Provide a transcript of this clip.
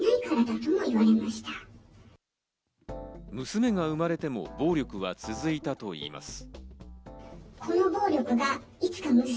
娘が生まれても暴力は続いたといいます。